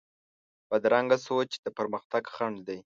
بدرنګه سوچ د پرمختګ خنډ دی